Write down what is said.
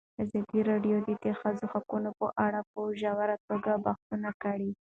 ازادي راډیو د د ښځو حقونه په اړه په ژوره توګه بحثونه کړي.